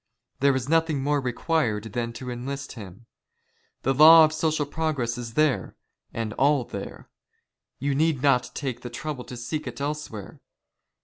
There is nothing more requn ed than to " enlist liira. The Law of social progress is there, and all there. " You need not take the trouble to seek it elsewhere.